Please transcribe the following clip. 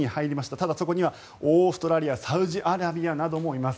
ただ、そこにはオーストラリアサウジアラビアなどもいます。